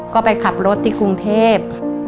ก็ไปขับรถที่กรุงเทพ